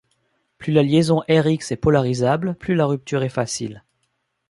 Plus la liaison R-X est polarisable, plus la rupture est facile.